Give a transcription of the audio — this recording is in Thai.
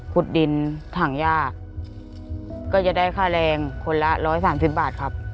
ดินถังยากก็จะได้ค่าแรงคนละ๑๓๐บาทครับ